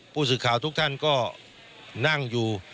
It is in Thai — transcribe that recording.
ผู้สื่อข่าวทุกท่านก็นั่งอยู่